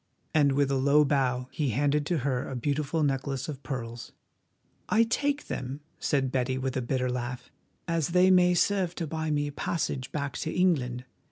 And with a low bow he handed to her a beautiful necklace of pearls. "I take them," said Betty, with a bitter laugh, "as they may serve to buy me a passage back to England.